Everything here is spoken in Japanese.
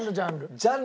ジャンル？